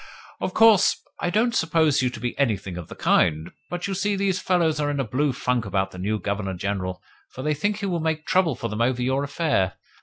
"Of course, I don't suppose you to be anything of the kind, but, you see, these fellows are in a blue funk about the new Governor General, for they think he will make trouble for them over your affair.